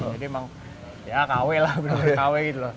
jadi memang ya kawelah bener bener kawel gitu loh